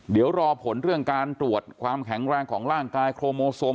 เดี๋ยวรอผลเรื่องการตรวจความแข็งแรงของร่างกายโครโมโซม